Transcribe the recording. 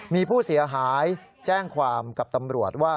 มีผู้เสียหายแจ้งความกับตำรวจว่า